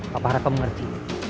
papa harap kamu ngerti